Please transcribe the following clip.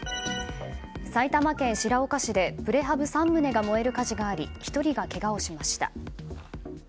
埼玉県白岡市でプレハブ３棟が燃える火事があり１人がけがをしました。